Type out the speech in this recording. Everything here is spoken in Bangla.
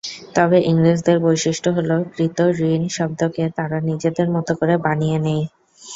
তবে ইংরেজদের বৈশিষ্ট্য হলো কৃতঋণ শব্দকে তারা নিজেদের মতো করে বানিয়ে নেয়।